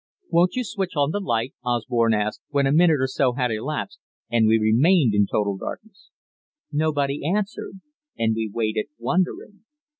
"Won't you switch on the light?" Osborne asked, when a minute or so had elapsed, and we remained in total darkness. Nobody answered, and we waited, wondering.